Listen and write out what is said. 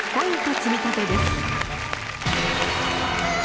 積み立てです。